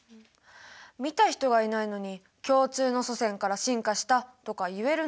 見た人がいないのに共通の祖先から進化したとか言えるの？